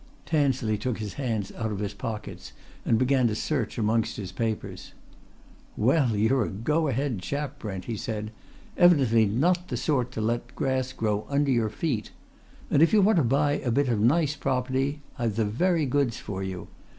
Tansley took his hands out of his pockets and began to search amongst his papers. "Well, you're a go ahead chap, Brent!" he said. "Evidently not the sort to let grass grow under your feet. And if you want to buy a bit of nice property I've the very goods for you.